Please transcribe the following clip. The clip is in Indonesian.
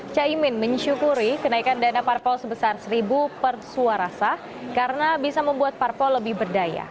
caimin mensyukuri kenaikan dana partai sebesar rp satu per suara sah karena bisa membuat partai lebih berdaya